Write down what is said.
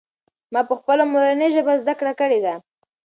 ما پخپله مورنۍ ژبه زده کړه کړې ده.